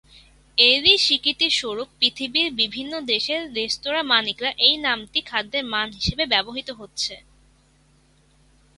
এরই স্বীকৃতিস্বরূপ পৃথিবীর বিভিন্ন দেশের রেস্তোঁরা মালিকরা এই নামটি খাদ্যের মান হিসেবে ব্যবহৃত হচ্ছে।